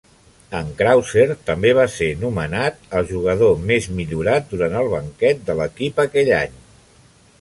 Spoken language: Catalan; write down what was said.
En Krauser també va ser nomenat el Jugador Més Millorat durant el banquet de l'equip aquell any.